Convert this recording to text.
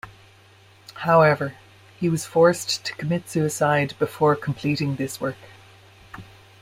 However, he was forced to commit suicide before completing this work.